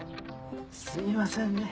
すいませんね。